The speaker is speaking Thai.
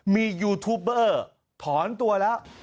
มียูทูปเบอร์ถอนตัวแล้ว